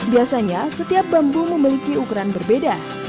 biasanya setiap bambu memiliki ukuran berbeda